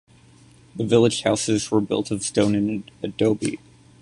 The village houses were built of stone and adobe.